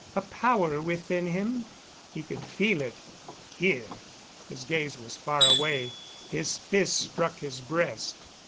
A power within him he could feel it here " His gaze was far away; his fist struck his breast.